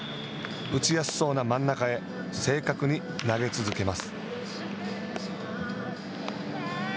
打ちやすそうな真ん中へ正確に投げ続けます。